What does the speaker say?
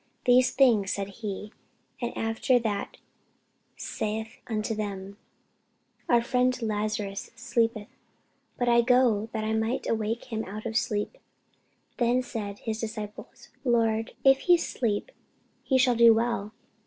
These things said he: and after that he saith unto them, Our friend Lazarus sleepeth; but I go, that I may awake him out of sleep. Then said his disciples, Lord, if he sleep, he shall do well.